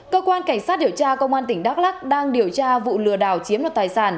cơ quan cảnh sát điều tra công an tỉnh đắk lắc đang điều tra vụ lừa đảo chiếm đoạt tài sản